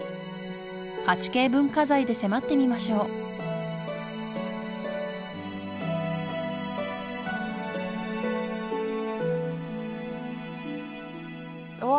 ８Ｋ文化財で迫ってみましょううわ